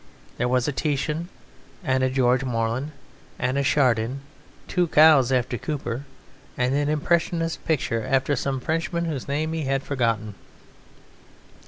There was a Titian and a George Morland, a Chardin, two cows after Cooper, and an impressionist picture after some Frenchman whose name he had forgotten.